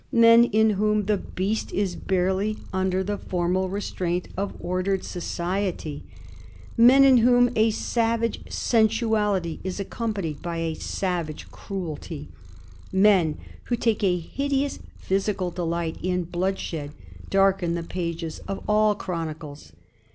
Men in whom the beast is barely under the formal restraint of ordered society, men in whom a savage sensuality is accompanied by a savage cruelty, men who take a hideous physical delight in bloodshed, darken the pages of all chronicles.